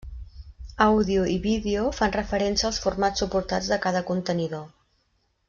Àudio i Vídeo fan referència als formats suportats de cada contenidor.